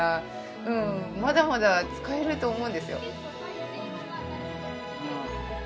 うんまだまだ使えると思うんですよ。